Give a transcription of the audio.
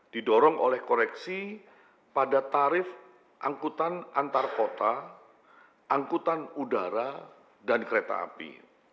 didorong oleh koreksi pada tarif angkutan antar kota angkutan udara dan kereta api